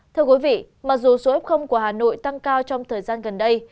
thưa quý vị mặc dù số f của hà nội tăng cao trong thời gian gần đây